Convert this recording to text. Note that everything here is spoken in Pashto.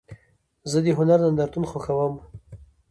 زه د هنر نندارتون خوښوم.